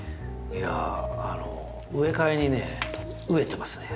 いやあの植え替えにね飢えてますね。